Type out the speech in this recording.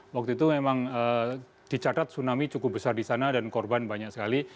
waktu itu memang dicatat tsunami cukup besar di sana dan korban banyak sekali